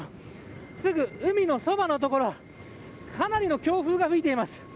すぐ海のそばの所かなりの強風が吹いています。